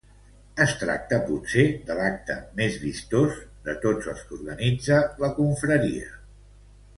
Es tracta potser de l'acte més vistós de tots els que organitza la Confraria.